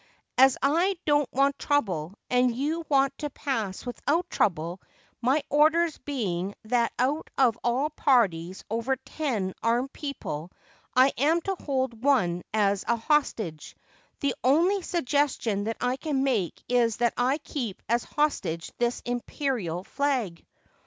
As I don't want trouble, and you want to pass without trouble, — my orders being that out of all parties of over ten armed people I am to hold one as a hostage, — the only suggestion that I can make is that I keep as hostage this Imperial flag.'